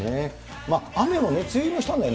雨もね、梅雨入りしたんだよね。